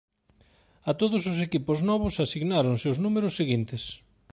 A todos os equipos novos asignáronse os números seguintes.